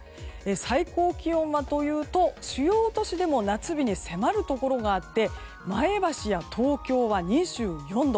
最高気温はというと主要都市でも夏日に迫るところがあって前橋や東京は２４度。